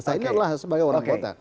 saya ingatlah sebagai orang kota